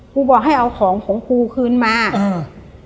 กูบอกให้เอาของของกูคืนมาอืม